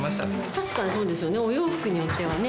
確かにそうですよねお洋服によってはね。